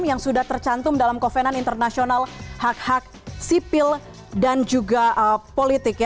yang sudah tercantum dalam kovenan internasional hak hak sipil dan juga politik